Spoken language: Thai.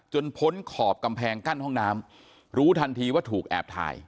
พ้นขอบกำแพงกั้นห้องน้ำรู้ทันทีว่าถูกแอบถ่าย